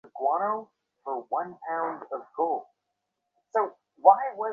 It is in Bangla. তাঁকে আদালতে হাজির করা হোক, কোনো দোষ করলে তাঁর বিচার হোক।